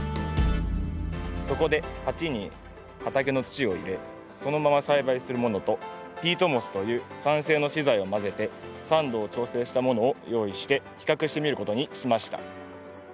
そこで鉢に畑の土を入れそのまま栽培するものとピートモスという酸性の資材を混ぜて酸度を調整したものを用意して比較してみることにしました。